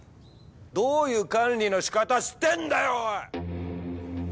どういう管理のしかたしてんだよおい！